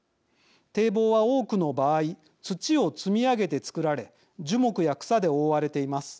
堤防は多くの場合土を積み上げて作られ樹木や草で覆われています。